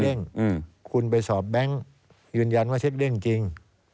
เร่งคุณไปสอบแบงค์ยืนยันว่าเช็คเด้งจริง